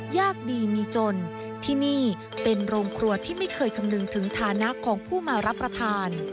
ยากดีมีจนที่นี่เป็นโรงครัวที่ไม่เคยคำนึงถึงฐานะของผู้มารับประทาน